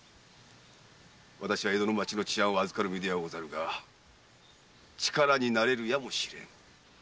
私は江戸の町の治安を預かる身ではござるが力になれるやもしれん。